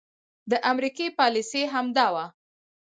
د امريکې پاليسي هم دا وه